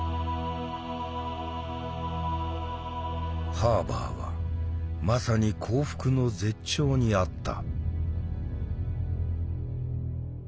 ハーバーはまさに幸福の絶頂にあった。